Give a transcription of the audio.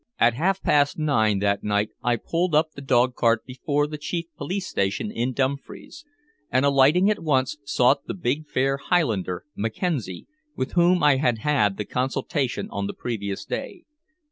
At half past nine that night I pulled up the dog cart before the chief police station in Dumfries, and alighting at once sought the big fair Highlander, Mackenzie, with whom I had had the consultation on the previous day.